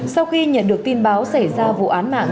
sau khi nhận được tin báo xảy ra vụ án mạng